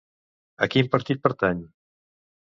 A quin partit pertany?